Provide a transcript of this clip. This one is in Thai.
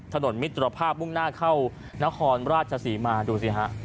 มิตรภาพมุ่งหน้าเข้านครราชศรีมาดูสิฮะ